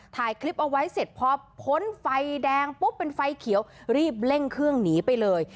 ถ่ายคลิปเอาไว้เสร็จพอพ้นไฟแดงปุ๊บเป็นไฟเขียวรีบเร่งเครื่องหนีไปเลย